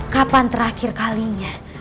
kapan terakhir kalinya